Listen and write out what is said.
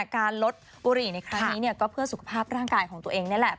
การลดบุหรี่ในครั้งนี้ก็เพื่อสุขภาพร่างกายของตัวเองนี่แหละ